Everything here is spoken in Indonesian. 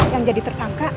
yang jadi tersangka